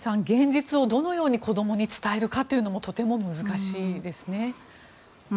現実をどのように子供に伝えるかもとても難しいですね。